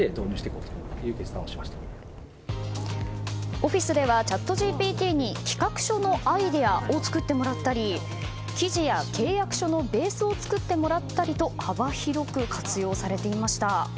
オフィスではチャットＧＰＴに企画書のアイデアを作ってもらったり記事や契約書のベースを作ってもらったりと幅広く活用されていました。